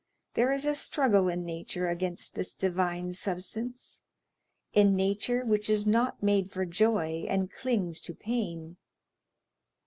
There is a struggle in nature against this divine substance,—in nature which is not made for joy and clings to pain.